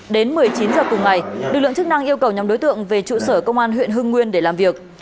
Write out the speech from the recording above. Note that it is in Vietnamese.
đến một mươi chín h cùng ngày lực lượng chức năng yêu cầu nhóm đối tượng về trụ sở công an huyện hưng nguyên để làm việc